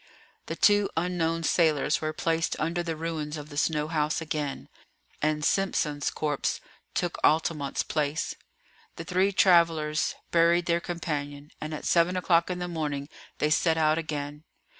The two unknown sailors were placed under the ruins of the snow house again, and Simpson's corpse took Altamont's place. The three travellers buried their companion, and at seven o'clock in the morning they set out again.